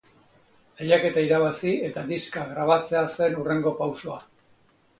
Lehiaketa irabazi eta diska grabatzea zen hurrengo pausoa.